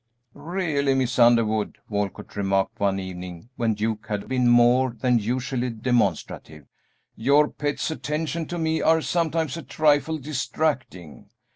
"Really, Miss Underwood," Walcott remarked one evening when Duke had been more than usually demonstrative, "your pet's attentions to me are sometimes a trifle distracting.